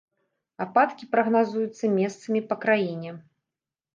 Ападкі прагназуюцца месцамі па краіне.